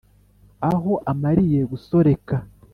aho amaliye gusoreka